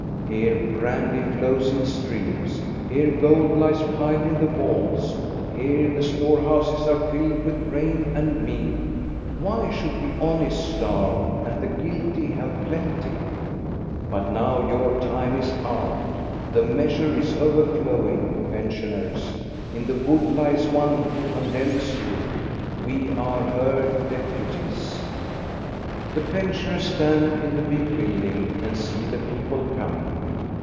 Here brandy flows in streams. Here gold lies liled in the vaults. Here the storehouses are filled 408 THE STORY OF GOSTA BERUXG with grain and meat. Why should the honest starrc, and the guilty have plenty? But now your time is out, the measore is ofcr flowing, pensioners. In the wood lies one lAo condemns you; we are her deputies. The pensioners stand in the big building and see the people coming.